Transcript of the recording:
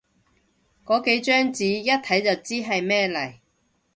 個幾張紙，一睇就知係咩嚟